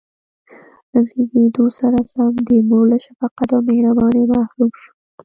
له زېږېدو سره سم د مور له شفقت او مهربانۍ محروم شو.